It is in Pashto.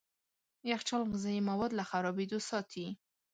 يخچال غذايي مواد له خرابېدو ساتي.